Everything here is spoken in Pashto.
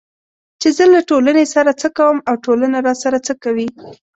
چې زه له ټولنې سره څه کوم او ټولنه راسره څه کوي